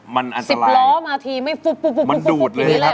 มันอันสรายมันดูดเลยหรือไงคะ